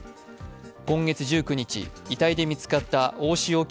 今月１９日、遺体で見つかった大塩衣